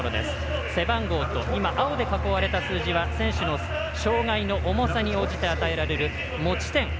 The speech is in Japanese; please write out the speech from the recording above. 背番号と青で囲われた数字は選手の障がいの重さに応じて与えられる持ち点。